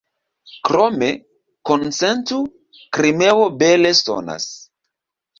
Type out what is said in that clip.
Krome, konsentu, "Krimeo" bele sonas.